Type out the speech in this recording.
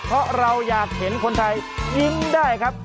เพราะเราอยากเห็นคนไทยยิ้มได้ครับ